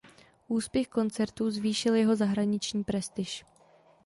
Úspěch koncertů zvýšil jeho zahraniční prestiž.